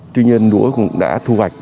tuy nhiên núa cũng đã thu hoạch